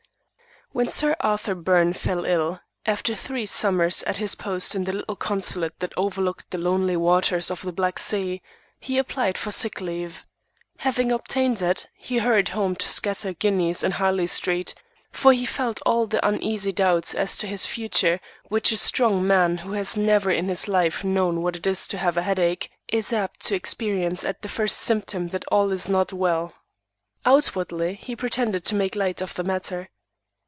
CHAPTER I When Sir Arthur Byrne fell ill, after three summers at his post in the little consulate that overlooked the lonely waters of the Black Sea, he applied for sick leave. Having obtained it, he hurried home to scatter guineas in Harley Street; for he felt all the uneasy doubts as to his future which a strong man who has never in his life known what it is to have a headache is apt to experience at the first symptom that all is not well. Outwardly, he pretended to make light of the matter.